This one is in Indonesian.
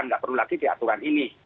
nggak perlu lagi diaturan ini